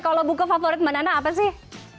kalau buku favorit banana apa sih